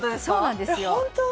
そうなんですよ